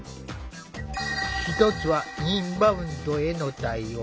１つはインバウンドへの対応。